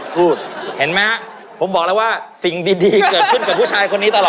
พร้อมนะคะ